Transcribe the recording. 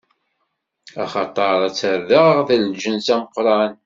Axaṭer ad t-rreɣ d lǧens ameqran.